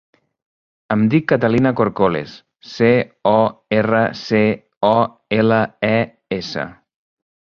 Em dic Catalina Corcoles: ce, o, erra, ce, o, ela, e, essa.